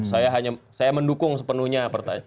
saya hanya saya mendukung sepenuhnya